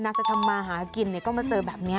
นักศรัทมมาหากินก็มาเจอแบบนี้